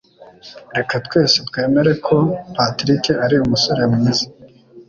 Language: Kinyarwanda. Reka twese twemere ko Patrick ari umusore mwiza.